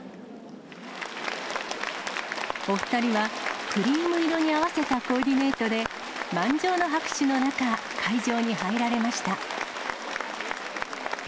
お２人はクリーム色に合わせたコーディネートで、満場の拍手の中、会場に入られました。